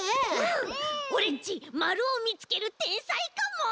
オレっちまるをみつけるてんさいかも！